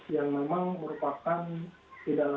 jadi tidak benar sama sekali